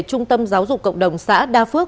trung tâm giáo dục cộng đồng xã đa phước